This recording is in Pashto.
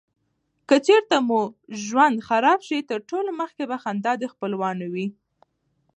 که چیرته مو ژوند خراب شي تر ټولو مخکي به خندا دې خپلوانو وې.